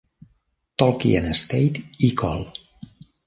Tolkien Estate i col.